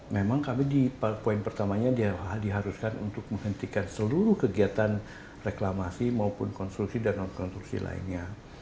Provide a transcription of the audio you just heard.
memang kami di poin pertamanya diharuskan untuk menghentikan seluruh kegiatan reklamasi maupun konstruksi dan non konstruksi lainnya